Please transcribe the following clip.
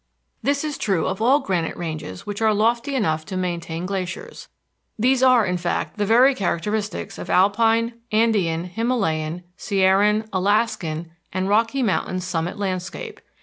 This is true of all granite ranges which are lofty enough to maintain glaciers. These are, in fact, the very characteristics of Alpine, Andean, Himalayan, Sierran, Alaskan, and Rocky Mountain summit landscape.